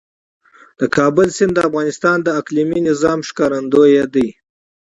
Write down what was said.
د کابل سیند د افغانستان د اقلیمي نظام ښکارندوی ده.